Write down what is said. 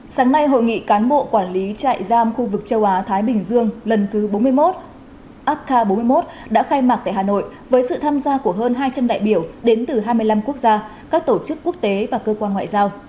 sáng nay hội nghị cán bộ quản lý trại giam khu vực châu á thái bình dương lần thứ bốn mươi một apca bốn mươi một đã khai mạc tại hà nội với sự tham gia của hơn hai trăm linh đại biểu đến từ hai mươi năm quốc gia các tổ chức quốc tế và cơ quan ngoại giao